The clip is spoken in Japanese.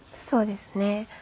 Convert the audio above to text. そうですね。